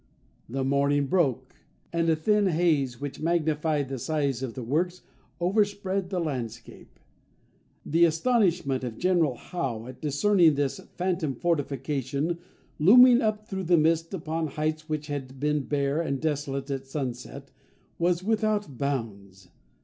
The morning broke,—and a thin haze, which magnified the size of the works, overspread the landscape. The astonishment of General Howe, at discerning this phantom fortification looming up through the mist, upon heights which had been bare and desolate at sunset, was without bounds.